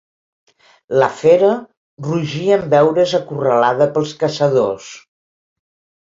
La fera rugí en veure's acorralada pels caçadors.